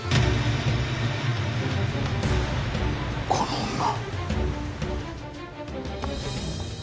この女。